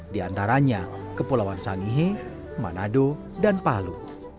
di antaranya kepulauan sangihe manado dan palu